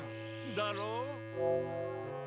だろう？